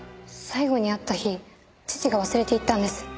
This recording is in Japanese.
最後に会った日父が忘れていったんです。